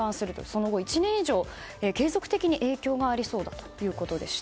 その後１年以上継続的に影響がありそうだということでした。